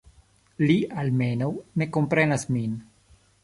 Li, almenaŭ, ne komprenas min.